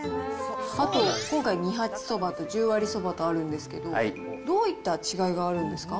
あと、今回、二八そばと十割そばとあるんですけれども、どういった違いがあるんですか？